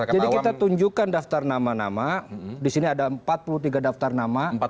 jadi kita tunjukkan daftar nama nama disini ada empat puluh tiga daftar nama